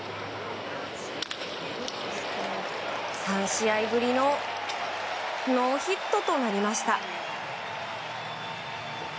３試合ぶりのノーヒットとなりました。